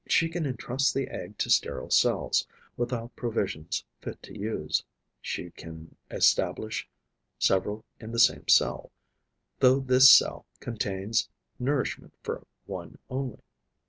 She can entrust the egg to sterile cells, without provisions fit to use; she can establish several in the same cell, though this cell contains nourishment for one only.